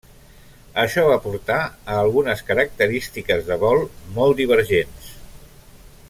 Això va portar a algunes característiques de vol molt divergents.